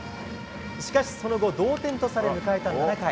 しかし、その後、同点とされ迎えた７回。